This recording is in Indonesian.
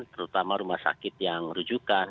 terutama rumah sakit yang rujukan